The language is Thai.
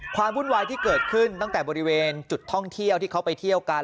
วุ่นวายที่เกิดขึ้นตั้งแต่บริเวณจุดท่องเที่ยวที่เขาไปเที่ยวกัน